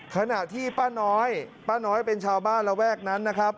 ขณะที่ป้าน้อยป้าน้อยเป็นชาวบ้านระแวกนั้นนะครับ